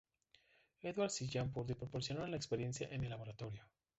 Edwards y Jean Purdy proporcionaron la experiencia en el laboratorio.